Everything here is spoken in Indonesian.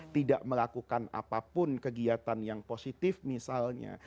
tidak melakukan apapun kegiatan yang positif misalnya